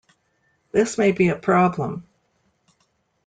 This may be a problem.